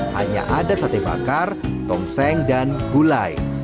hanya ada sate bakar tongseng dan gulai